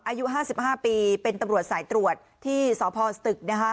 อายุ๕๕ปีเป็นตำรวจสายตรวจที่สพสตึกนะคะ